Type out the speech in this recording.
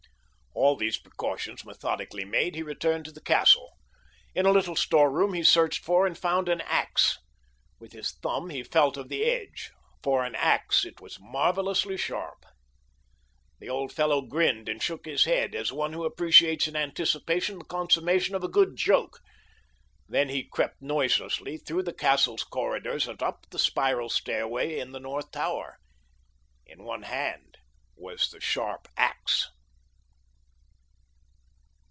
All these precautions methodically made, he returned to the castle. In a little storeroom he searched for and found an ax. With his thumb he felt of the edge—for an ax it was marvelously sharp. The old fellow grinned and shook his head, as one who appreciates in anticipation the consummation of a good joke. Then he crept noiselessly through the castle's corridors and up the spiral stairway in the north tower. In one hand was the sharp ax.